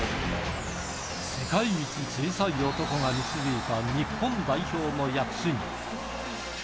世界一小さい男が導いた日本代表の躍進。